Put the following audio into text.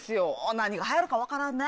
何が流行るか分からんね。